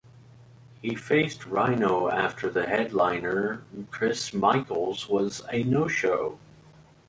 He faced Rhyno after "The Headliner" Chris Michaels was a no-show.